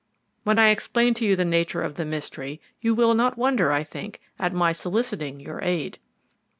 When I explain to you the nature of the mystery, you will not wonder, I think, at my soliciting your aid."